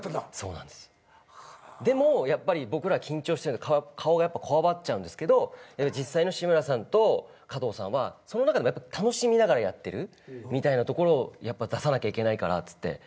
でもやっぱり僕ら緊張してて顔がこわばっちゃうんですけど実際の志村さんと加藤さんはその中でもやっぱ楽しみながらやってるみたいなところをやっぱ出さなきゃいけないからっつって。